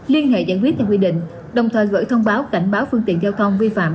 liên hệ giải quyết theo quy định đồng thời gửi thông báo cảnh báo phương tiện giao thông vi phạm